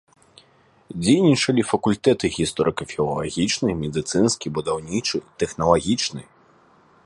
Дзейнічалі факультэты гісторыка-філалагічны, медыцынскі, будаўнічы, тэхналагічны.